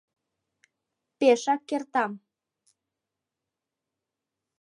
«Пешак кертам».